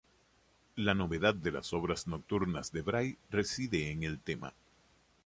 La novedad de las obras nocturnas de Wright reside en el tema.